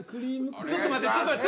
ちょっと待ってちょっと待って。